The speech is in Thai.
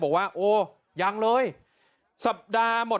บอกว่าโอ้ยังเลยสัปดาห์หมด